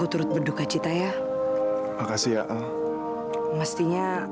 terus sekarang mitanya gimana